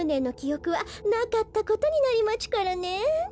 おくはなかったことになりまちゅからね。